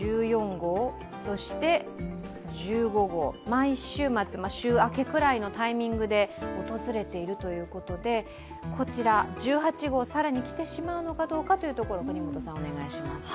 毎週末、週明けくらいのタイミングで訪れているということでこちら、１８号、更に来てしまうのかどうか、國本さん、お願いします。